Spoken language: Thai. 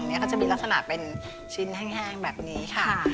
มันมีลักษณะที่เป็นชิ้นแห้งแบบนี้ค่ะ